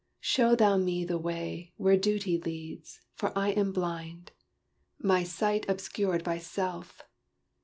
"Show Thou me the way, Where duty leads; for I am blind! my sight Obscured by self.